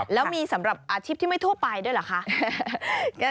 แล้วมีสำหรับอาชีพที่ไม่ทั่วไปด้วยเหรอคะ